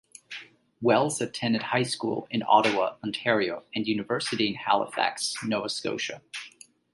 Wells attended high school in Ottawa, Ontario and university in Halifax, Nova Scotia.